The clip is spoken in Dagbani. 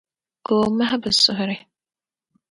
Ka O mahi bɛ suhiri.